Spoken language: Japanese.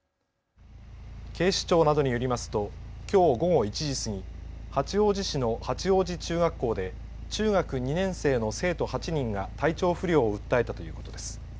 警視庁などによりますときょう午後１時過ぎ、八王子市の八王子中学校で中学２年生の生徒８人が体調不良を訴えたということです。